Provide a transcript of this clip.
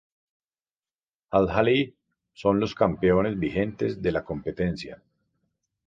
Al-Ahli son los campeones vigentes de la competición.